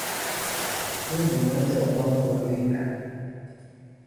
Huu ni uwanja wa kwanza wa Libya.